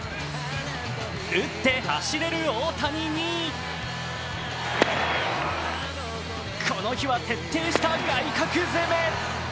打って走れる大谷にこの日は徹底した外角攻め。